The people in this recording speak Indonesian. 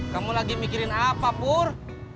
kamu lagi mikirin apa pur